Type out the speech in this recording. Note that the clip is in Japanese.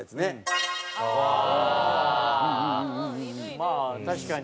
まあ確かに。